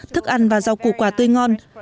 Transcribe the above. thức ăn và rau củ quả tươi ngon